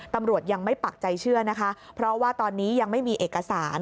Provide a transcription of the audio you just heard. ตำรวจยังไม่ปักใจเชื่อนะคะเพราะว่าตอนนี้ยังไม่มีเอกสาร